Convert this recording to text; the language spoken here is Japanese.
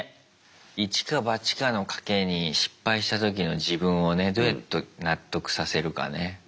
一か八かの賭けに失敗した時の自分をねどうやって納得させるかね。